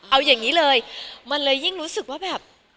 เอาอย่างนี้เลยมันเลยยิ่งรู้สึกว่าแบบ